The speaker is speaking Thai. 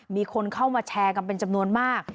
มีคนเข้ามาแชร์กันเป็นจำนวนมาก